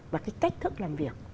và cái cách thức làm việc